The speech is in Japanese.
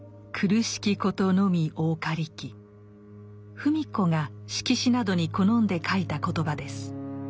芙美子が色紙などに好んで書いた言葉です。